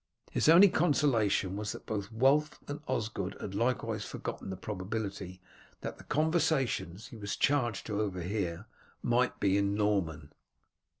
His only consolation was that both Wulf and Osgod had likewise forgotten the probability that the conversations he was charged to overhear might be in Norman.